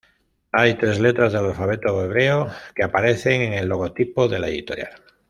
Hay tres letras del alfabeto hebreo que aparecen en el logotipo de la editorial.